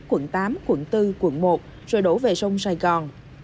quận tám quận bốn quận một rồi đổ về sông sài gòn